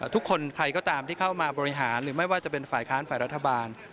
ทุกคนใครก็ตามที่เข้ามาบริหารหรือไม่ว่าจะเป็นฝ่ายค้านฝ่ายรัฐบาล